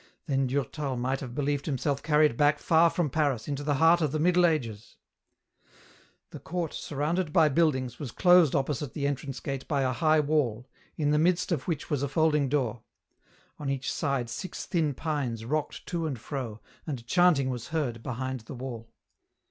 Then Durtal might have believed himself carried back far from Paris, into the heart of the Middle Ages. The court, surrounded by buildings, was closed opposite the entrance gate by a high wall, in the midst of which was a folding door ; on each side six thin pines rocked to and fro, and chanting was heard behind the wall.